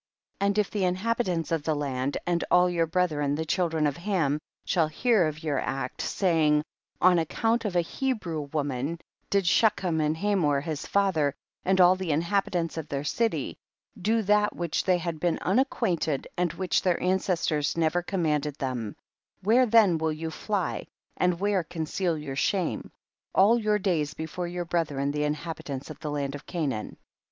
9. And if the inhabitants of the land and all vour brethren the children of Ham, shall hear of your act, saying, 10. On account of a Hebrew wo man did Shechem and Hamor his father, and all the inhabitants of their city, do that with which they had been unacquainted and which their ancestors never commanded them, where then will you fly or where conceal your shame, all your days before your brethren, the inhabitants of the land of Canaan?